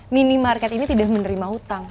mini market ini tidak menerima hutang